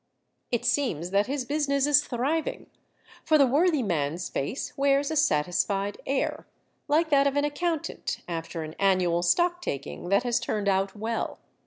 It seems that his business is thriving, for the worthy man's face wears a satisfied air, like that of an ac countant after an annual stock taking that has turned out well.